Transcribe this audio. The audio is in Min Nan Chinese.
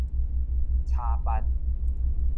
吵班